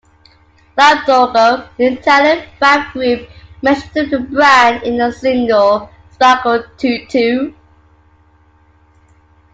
Club Dogo, an Italian rap group, mentioned the brand in the single "Spacco tutto".